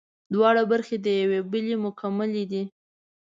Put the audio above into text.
دواړه برخې د یوې بلې مکملې دي